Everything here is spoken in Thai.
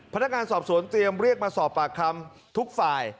พนักงานสอบสวนเตรียมเรียกมาสอบปากคำทุกฝ่าย